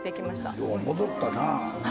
よう戻ったな。